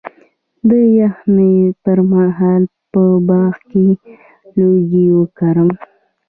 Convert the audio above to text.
د یخنۍ پر مهال په باغ کې لوګی وکړم؟